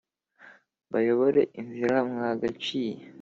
Mbayobore inzira mwagaciye.